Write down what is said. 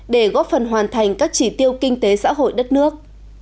để góp phần hoàn thành các chỉ tiêu kinh tế xã hội đất nước